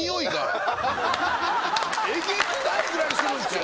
えげつないぐらいするんすよ。